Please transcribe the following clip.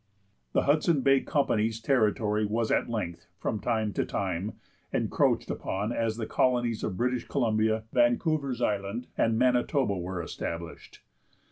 The Hudson Bay Company's territory was at length, from time to time, encroached upon as the colonies of British Columbia, Vancouver's Island, and Manitoba were established.